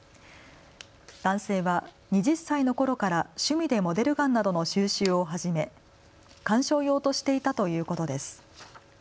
男性は２０歳のころから趣味でモデルガンなどの収集を始め観賞用としていたということです。